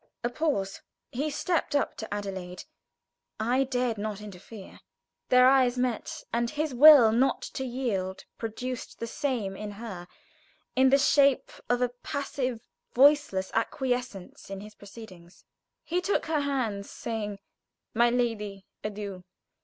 A pause. He stepped up to Adelaide. I dared not interfere. Their eyes met, and his will not to yield produced the same in her, in the shape of a passive, voiceless acquiescence in his proceedings. He took her hands, saying: "My lady, adieu!